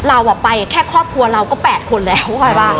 เราอะไปแค่ครอบครัวเราก็แปดคนแล้ว